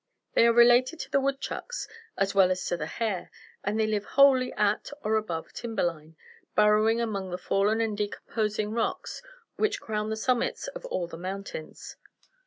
They are related to the woodchucks as well as to the hare, and they live wholly at or above timber line, burrowing among the fallen and decomposing rocks which crown the summits of all the mountains.